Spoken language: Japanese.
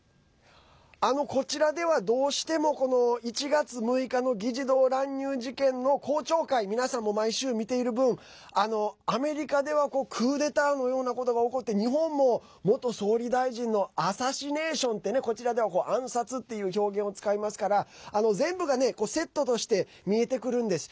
こちらでは、どうしても１月６日の議事堂乱入事件の公聴会皆さんも毎週、見ている分アメリカではクーデターのようなことが起こって日本も、元総理大臣のアサシネーションってこちらでは暗殺っていう表現を使いますから全部がセットとして見えてくるんです。